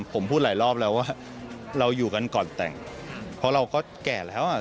ผมพูดหลายรอบแล้วว่าเราอยู่กันก่อนแต่งเพราะเราก็แก่แล้วอ่ะ